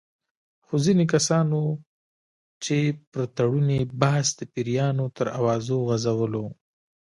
خو ځینې کسان وو چې پر تړون یې بحث د پیریانو تر اوازو غـځولو.